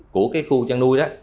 của cái khu chăn nuôi đó